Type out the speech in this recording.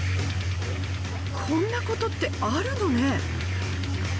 こんなことってあるのね